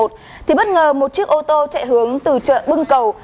thì bất ngờ một chiếc ô tô chạy hướng từ chợ bưng cầu